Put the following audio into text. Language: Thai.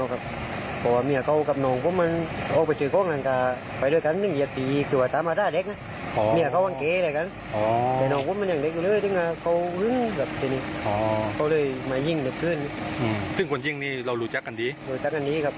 เขาเลยมายิ่งหนึ่งขึ้นซึ่งคนยิ่งนี้เรารู้จักกันดี